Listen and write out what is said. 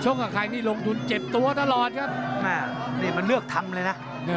บุ้งน่ะใครที่รวงทุน๗ตัวตลอดค่ะเราเลยมาเลือกทำเลยนะ